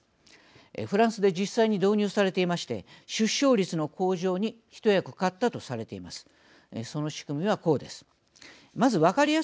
フランスで実際に導入されていまして出生率の向上に一役買ったとされています。